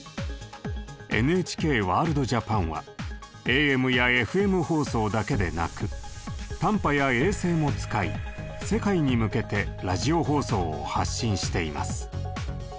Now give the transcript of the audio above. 「ＮＨＫワールドＪＡＰＡＮ」はＡＭやＦＭ放送だけでなく短波や衛星も使い世界に向けてラジオ放送を発信しています。